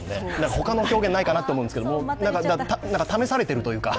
他の表現ないかなと思うんですがなんか試されているというか。